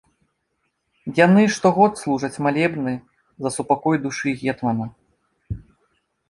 Яны штогод служаць малебны за супакой душы гетмана.